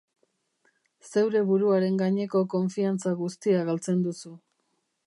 Zeure buruaren gaineko konfiantza guztia galtzen duzu.